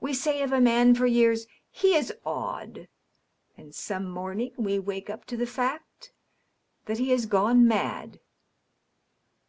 We say of a man for years, * he is odd,' and some morning we wake up to the fact that he has gone mad.